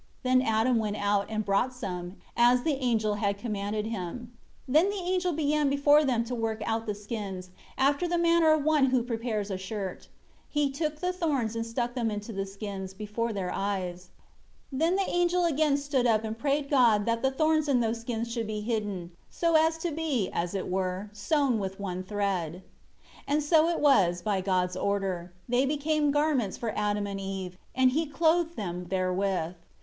Then Adam went out, and brought some, as the angel had commanded him. 6 Then the angel began before them to work out the skins, after the manner of one who prepares a shirt. And he took the thorns and stuck them into the skins, before their eyes. 7 Then the angel again stood up and prayed God that the thorns in those skins should be hidden, so as to be, as it were, sewn with one thread. 8 And so it was, by God's order; they became garments for Adam and Eve, and He clothed them therewith.